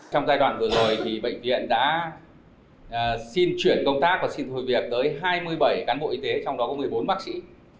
trong giai đoạn vừa rồi thì bệnh viện đã xin chuyển công tác và xin thôi việc tới hai mươi bảy cán bộ y tế trong đó có một mươi bốn bác sĩ